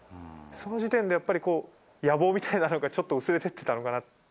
その時点でやっぱり、野望みたいなのがちょっと薄れてきたのかなって。